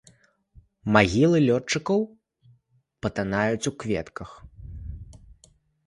Магілы лётчыкаў патанаюць у кветках.